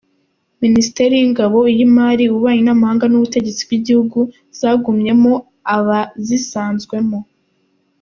Ministeri y’ingabo, iy’imari ,ububanyi n’amahanga n’ubutegetsi bw’igihugu zagumyemo abazisanzwemo.